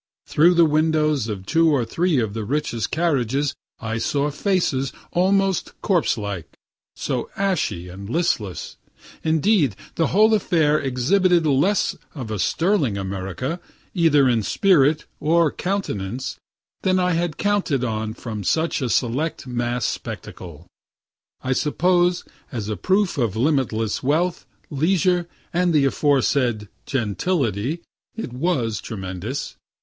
Through the windows of two or three of the richest carriages I saw faces almost corpse like, so ashy and listless. Indeed the whole affair exhibited less of sterling America, either in spirit or countenance, than I had counted on from such a select mass spectacle. I suppose, as a proof of limitless wealth, leisure, and the aforesaid "gentility," it was tremendous.